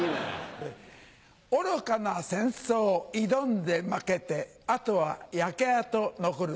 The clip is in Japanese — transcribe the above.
愚かな戦争挑んで負けてあとは焼け跡残るだけ。